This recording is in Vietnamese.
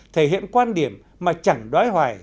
thể hiện quan điểm mà chẳng đoái hoài